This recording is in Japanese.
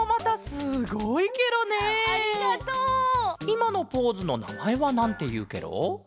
いまのポーズのなまえはなんていうケロ？